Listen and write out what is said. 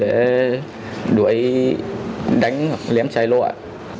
để đuổi đánh hoặc lém chai lọa